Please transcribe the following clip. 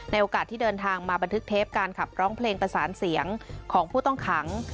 โอกาสที่เดินทางมาบันทึกเทปการขับร้องเพลงประสานเสียงของผู้ต้องขัง